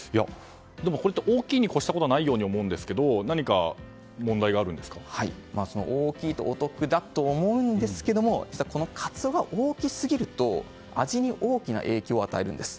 でも、こうやって大きいに越したことはない気がしますが大きいとお得だと思うんですが実は、カツオが大きすぎると味に大きな影響を与えるんです。